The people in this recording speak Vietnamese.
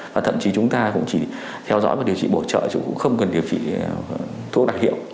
và thậm chí chúng ta cũng chỉ theo dõi và điều trị bổ trợ chứ cũng không cần điều trị thuốc đặc hiệu